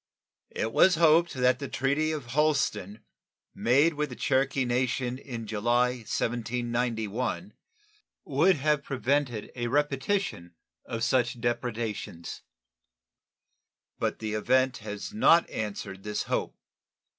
It was hoped that the treaty of Holston, made with the Cherokee Nation in July, 1791, would have prevented a repetition of such depredations; but the event has not answered this hope.